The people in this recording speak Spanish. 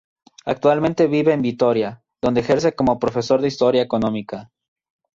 Actualmente vive en Vitoria, donde ejerce como profesor de historia económica.